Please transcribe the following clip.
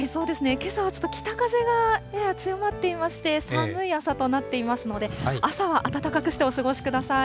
けさはちょっと北風がやや強まっていまして、寒い朝となっていますので、朝は暖かくしてお過ごしください。